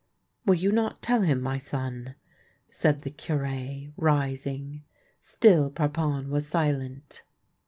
"Will you not tell him, my son?" said the Cure, rising. Still Parpon was silent.